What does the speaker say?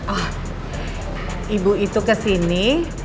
oh ibu itu kesini